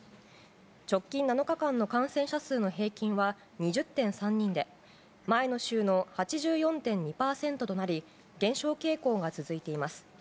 直近７日間の感染者数の平均は２０．３人で前の週の８４．２％となり減少傾向が続いています。